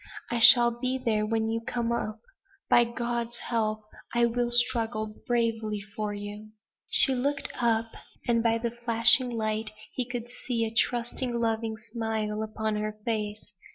I shall be there when you come up. By God's help, I will struggle bravely for you." She looked up; and by the flashing light he could see a trusting, loving smile upon her face.